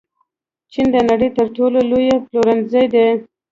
چین د نړۍ تر ټولو لوی پلورنځی دی.